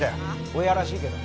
ボヤらしいけど。